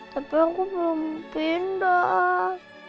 tapi aku belum pindah